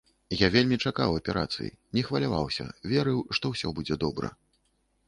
Я вельмі чакаў аперацыі, не хваляваўся, верыў, што ўсё будзе добра.